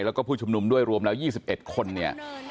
แล้วก็ผู้ชุมนุมด้วยรวมแล้ว๒๑คนเนี่ย